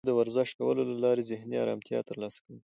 زه د ورزش کولو له لارې ذهني آرامتیا ترلاسه کوم.